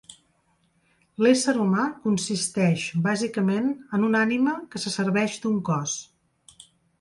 L'ésser humà consisteix, bàsicament, en una ànima que se serveix d'un cos.